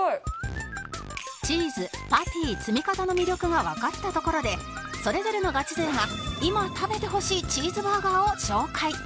チーズパティ積み方の魅力がわかったところでそれぞれのガチ勢が今食べてほしいチーズバーガーを紹介